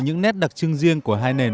những nét đặc trưng riêng của hai nền